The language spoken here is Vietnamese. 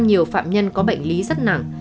nhiều phạm nhân có bệnh lý rất nặng